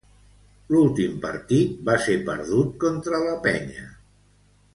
L'últim partit va ser perdut contra la Penya.